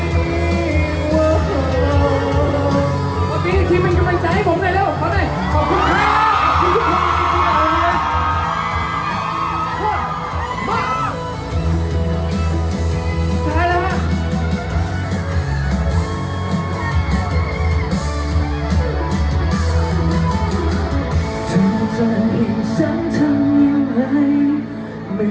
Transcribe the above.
ตอนนี้ทีมันกำลังจากให้ผมได้แล้ว